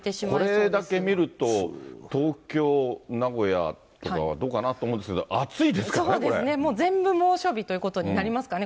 これだけ見ると、東京、名古屋とかはどうかなと思うんですが、全部猛暑日ということになりますかね。